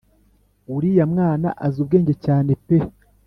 uriya mwana azi ubwenge cyane pe